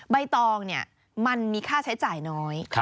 ใบตองมันมีค่าใช้จ่ายน้อย